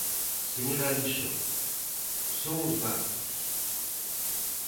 Señor Alixo, son os datos.